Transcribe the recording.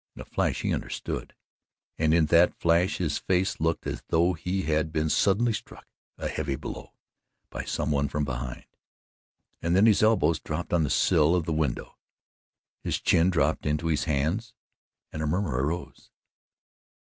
In a flash he understood, and in that flash his face looked as though he had been suddenly struck a heavy blow by some one from behind, and then his elbows dropped on the sill of the window, his chin dropped into his hands and a murmur arose.